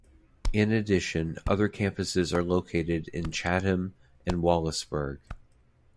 In addition, other campuses are located in Chatham and Wallaceburg.